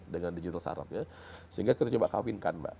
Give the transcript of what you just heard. dengan digital startupnya sehingga kita coba kawinkan mbak